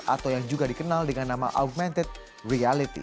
atau yang juga dikenal dengan nama augmented reality